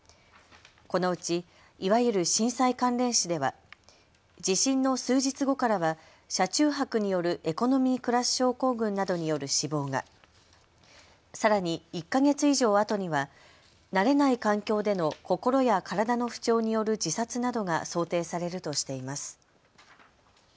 このうちいわゆる震災関連死では地震の数日後からは車中泊によるエコノミークラス症候群などによる死亡が、さらに１か月以上あとには慣れない環境での心や体の不調による自殺などが想定されるとしています。